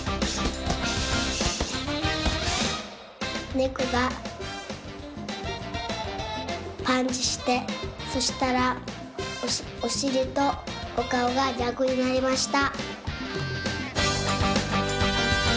ねこがパンチしてそしたらおしりとおかおがぎゃくになりました。